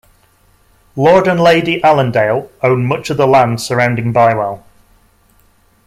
Lord and Lady Allendale own much of the land surrounding Bywell.